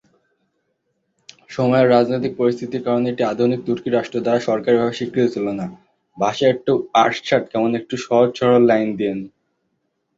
সময়ের রাজনৈতিক পরিস্থিতির কারণে, এটি আধুনিক তুর্কি রাষ্ট্র দ্বারা সরকারীভাবে স্বীকৃত ছিল না।